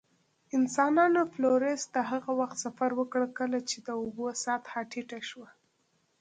انسانانو فلورس ته هغه وخت سفر وکړ، کله چې د اوبو سطحه ټیټه شوه.